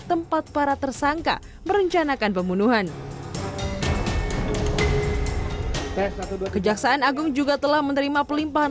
tempat para tersangka merencanakan pembunuhan kejaksaan agung juga telah menerima pelimpahan